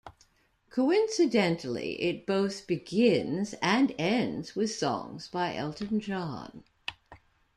Coincidentally, it both begins and ends with songs by Elton John.